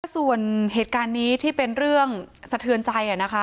ส่วนเหตุการณ์นี้ที่เป็นเรื่องสะเทือนใจนะคะ